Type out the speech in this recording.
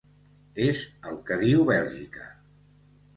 És el que diu Bèlgica.